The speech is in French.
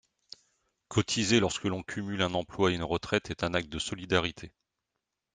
Cotiser lorsque l’on cumule un emploi et une retraite est un acte de solidarité.